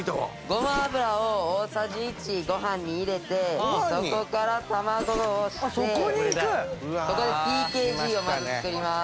ごま油を大さじ１ご飯に入れてそこから卵をしてここでＴＫＧをまず作ります。